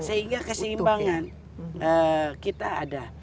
sehingga keseimbangan kita ada